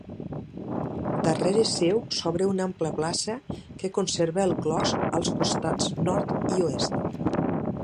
Darrere seu s'obre una ampla plaça que conserva el clos als costats nord i oest.